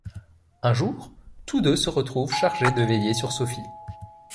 Un jour, tous deux se retrouvent chargés de veiller sur Sophie.